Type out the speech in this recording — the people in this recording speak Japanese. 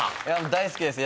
大好きです。